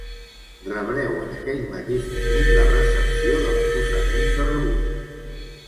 Rebreu en aquell mateix moment la recepció de l'acusament de rebuda.